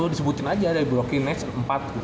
disebutin aja dari brooklyn next empat gitu